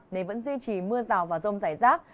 nên vẫn duy trì mưa rào và rông rải rác